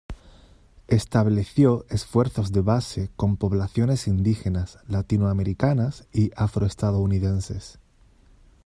Estableció esfuerzos de base con poblaciones indígenas, latinoamericanas y afroestadounidenses.